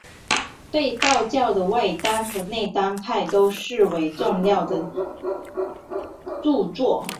被道教的外丹和内丹派都视为重要的着作。